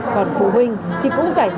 còn phụ huynh thì cũng giải quyết